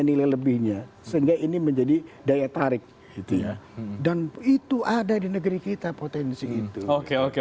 nilai lebihnya sehingga ini menjadi daya tarik itu ya dan itu ada di negeri kita potensi itu oke oke